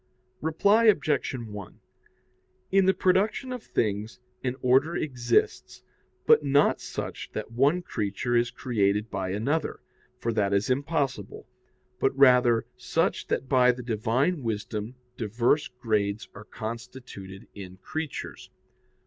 Reply Obj. 1: In the production of things an order exists, but not such that one creature is created by another, for that is impossible; but rather such that by the Divine wisdom diverse grades are constituted in creatures.